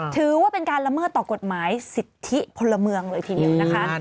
ถือว่าเป็นการละเมิดต่อกฎหมายสิทธิพลเมืองเลยทีเดียวนะคะ